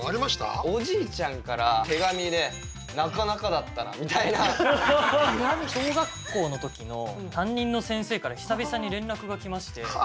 おじいちゃんから手紙で「なかなかだったな」みたいな。小学校の時の担任の先生から久々に連絡が来まして。